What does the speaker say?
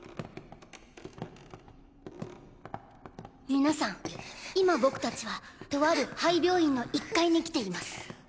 みなさん今僕たちはとある廃病院の１階に来ています。